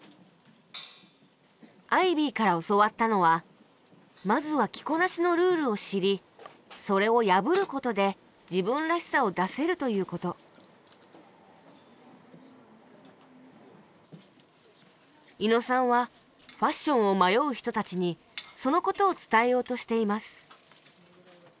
アイビーから教わったのはまずは着こなしのルールを知りそれを破ることで自分らしさを出せるということ伊野さんはファッションを迷う人たちにそのことを伝えようとしています